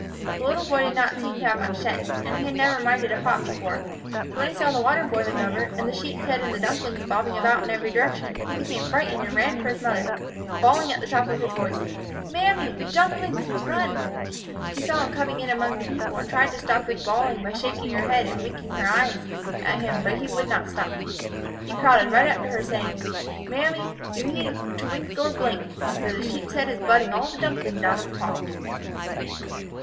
The little boy did not seem to have much sense; and had never minded a pot before; so when he saw the water boiling over, and the sheep's head and the dumplings bobbing about in every direction, he became frightened and ran for his mother, bawling at the top of his voice, 'Mammy! the dumplings! run!' She saw him coming in among the people, and tried to stop his bawling by shaking her head and winking her eyes at him; but he would not stop. He crowded right up to her, saying, 'Mammy, you needn't to wink nor to blink, for the sheep's head is butting all the dumplings out of the pot!